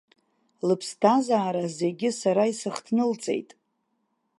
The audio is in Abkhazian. Лыԥсҭазаара зегьы сара исыхҭнылҵеит.